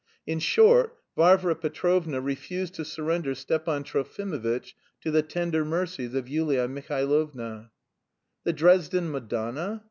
In short, Varvara Petrovna refused to surrender Stepan Trofimovitch to the tender mercies of Yulia Mihailovna. "The Dresden Madonna?